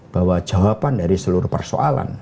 bahwa jawaban dari seluruh persoalan